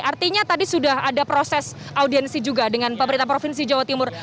artinya tadi sudah ada proses audiensi juga dengan pemerintah provinsi jawa timur